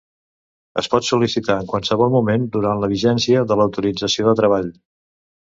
Es pot sol·licitar en qualsevol moment durant la vigència de l'autorització de treball.